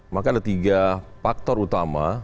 maka ada tiga faktor utama